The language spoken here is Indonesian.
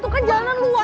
itu kan jalanan luas